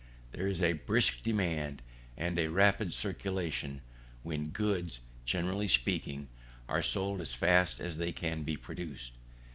There is a brisk demand and a rapid circulation, when goods, generally speaking, are sold as fast as they can be produced.